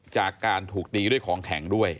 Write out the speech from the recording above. จากการถูกตีด้วยของแข็งด้วย